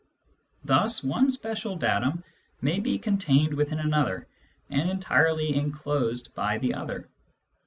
Thus one spatial object may be contained within another, and entirely enclosed by the other.